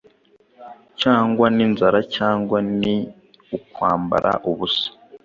cyangwa ni inzara, cyangwa ni ukwambara ubusa,